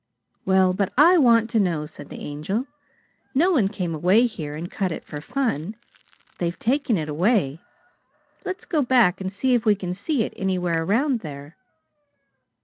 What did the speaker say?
"Well, but I want to know!" said the Angel. "No one came away here and cut it for fun. They've taken it away. Let's go back and see if we can see it anywhere around there."